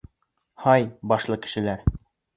— Һай, башлы кешеләр!